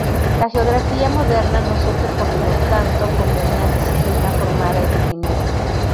La geografía moderna no surge por lo tanto como una disciplina formada y definida.